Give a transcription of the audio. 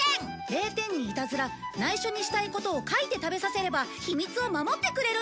０点にイタズラ内緒にしたいことを書いて食べさせれば秘密を守ってくれるんだ！